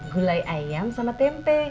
gulai ayam sama tempe